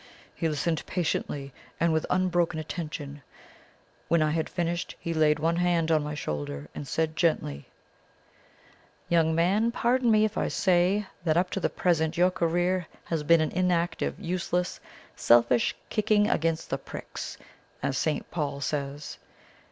He listened patiently and with unbroken attention. When I had finished, he laid one hand on my shoulder, and said gently: "'Young man, pardon me if I say that up to the present your career has been an inactive, useless, selfish "kicking against the pricks," as St. Paul says.